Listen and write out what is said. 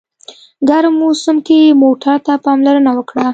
ګرم موسم کې موټر ته پاملرنه وکړه.